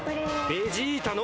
ベジータの。